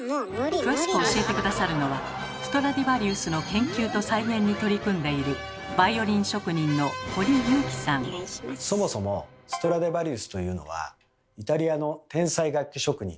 詳しく教えて下さるのはストラディヴァリウスの研究と再現に取り組んでいるそもそもストラディヴァリウスというのはイタリアの天才楽器職人